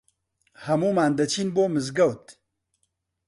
هەموومان دەچین بۆ مزگەوت.